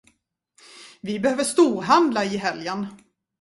Vi behöver storhandla i helgen.